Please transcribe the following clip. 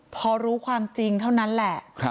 พอรู้ความจริงเท่านั้นแหละ